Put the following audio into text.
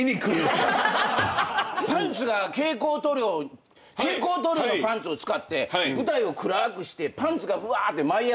パンツが蛍光塗料蛍光塗料のパンツを使って舞台を暗くしてパンツがふわって舞い上がんねん。